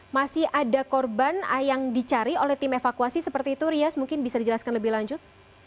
masih ada korban yang dicari oleh tim evakuasi seperti itu rias mungkin bisa dijelaskan lebih lanjut